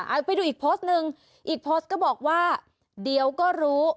เอาไปดูอีกโพสต์หนึ่งอีกโพสต์ก็บอกว่าเดี๋ยวก็รู้